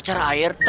gak ada ini